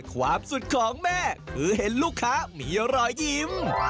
ความสุดของแม่คือเห็นลูกค้ามีรอยยิ้ม